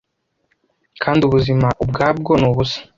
Kandi ubuzima ubwabwo ni ubusa,